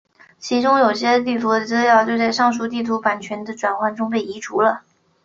其中有些地图的资料就在上述地图版权的转换中被移除了。